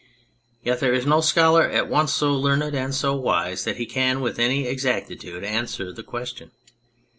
Yet there is no scholar at once so learned and so wise that he can with any exactitude answer the question.